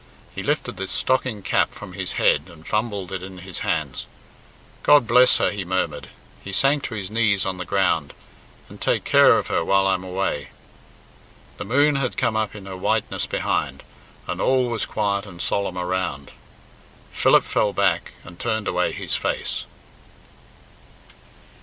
He lifted the stocking cap from his head and fumbled it in his hands. "God bless her," he murmured. He sank to his knees on the ground. "And take care of her while I'm away." The moon had come up in her whiteness behind, and all was quiet and solemn around. Philip fell back and turned away his face.